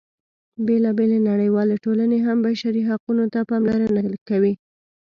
بېلا بېلې نړیوالې ټولنې هم بشري حقونو ته پاملرنه کوي.